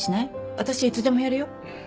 私いつでもやるよ。